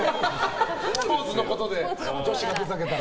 スポーツのことで女子がふざけたら。